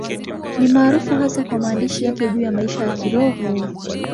Ni maarufu hasa kwa maandishi yake juu ya maisha ya Kiroho.